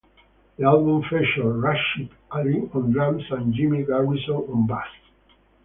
The album features Rashied Ali on drums and Jimmy Garrison on bass.